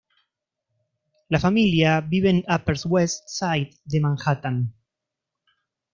La familia vive en Upper West Side de Manhattan.